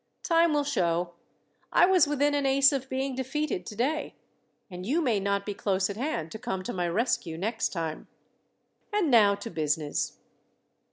Time will show. I was within an ace of being defeated today; and you may not be close at hand to come to my rescue next time. And now to business.